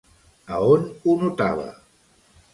A on ho notava?